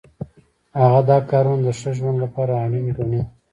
هغه دا کارونه د ښه ژوند لپاره اړین ګڼي.